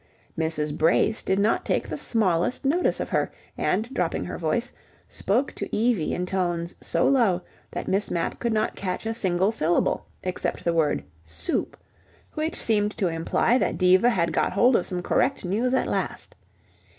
Mrs. Brace did not take the smallest notice of her, and, dropping her voice, spoke to Evie in tones so low that Miss Mapp could not catch a single syllable except the word soup, which seemed to imply that Diva had got hold of some correct news at last.